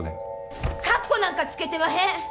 かっこなんかつけてまへん！